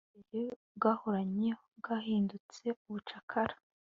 ubwigenge wahoranye, bwahindutse ubucakara